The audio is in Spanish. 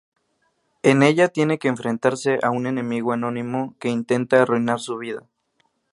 En ella tiene que enfrentarse a un enemigo anónimo que intenta arruinar su vida.